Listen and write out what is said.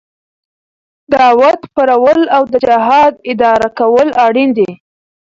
دعوت خپرول او د جهاد اداره کول اړين دي.